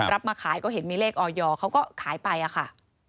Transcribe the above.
มาขายก็เห็นมีเลขออยเขาก็ขายไปอะค่ะ